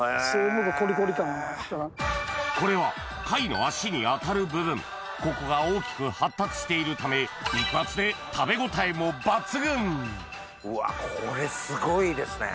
これは貝の足に当たる部分ここが大きく発達しているためうわっこれすごいですね。